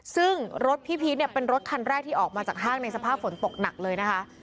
ซึ่งรถพี่พีชเนี่ยเป็นรถคันแรกที่ออกมาจากห้างในสภาพฝนตกหนักเลยนะคะ